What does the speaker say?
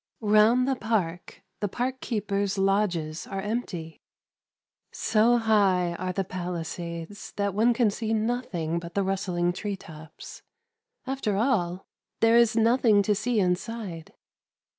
— Round the park, the park keepers' lodges are empty. So high are the palisades that one can see nothing but the rustling tree tops. After all, there is nothing to see inside.